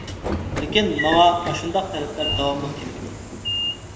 لېكىن، ماڭا ئاشۇنداق تەلەپلەر داۋاملىق كېلىپ تۇرىدۇ.